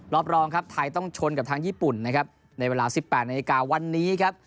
รอบรองครับไทยต้องชนกับทางญี่ปุ่นนะครับในเวลา๑๘นาฬิกาวันนี้ครับ